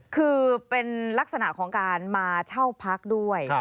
คือเป็นลักษณะของการมาเช่าพักด้วย